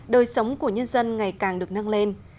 đời sống của nhân dân ngày càng được nâng lên